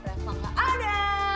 reva gak ada